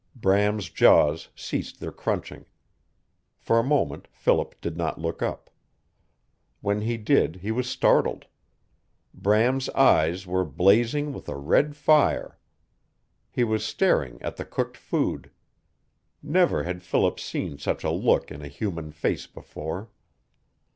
Bram's jaws ceased their crunching. For a moment Philip did not look up. When he did he was startled. Bram's eyes were blazing with a red fire. He was staring at the cooked food. Never had Philip seen such a look in a human face before.